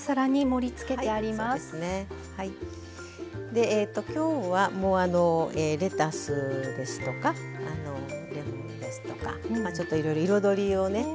でえと今日はもうあのレタスですとかレモンですとかちょっといろいろ彩りをね